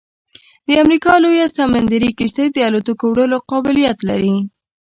د امریکا لویه سمندري کشتۍ د الوتکو وړلو قابلیت لري